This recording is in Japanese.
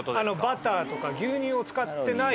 バターとか牛乳を使ってない。